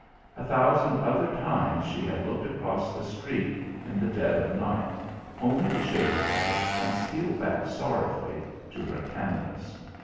A thousand other times she had looked across the street in the dead of night, only to shake her head and steal back sorrowfully to her canvas.